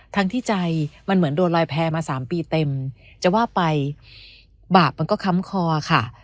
ทั้งที่ใจมันเหมือนโดนลอยแพร่มา๓ปีเต็มจะว่าไปบาปมันก็ค้ำคอค่ะ